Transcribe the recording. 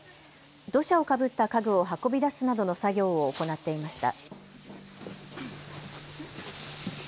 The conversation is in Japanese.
土砂をかぶった家具を運び出すなどの作業を行っていました。